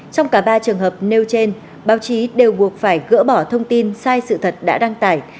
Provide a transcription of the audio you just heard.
trong cả ba trường hợp nêu trên báo chí đều buộc phải gỡ bỏ thông tin sai sự thật đã đăng tải